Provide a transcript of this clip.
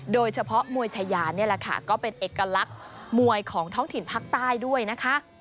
โดยเฉพาะมวยชายาคือเอกลักษณ์มวยของท้องถิ่นภาคใต้ด้วยนะคะ